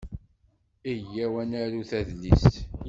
Iyyaw ad narut adlis.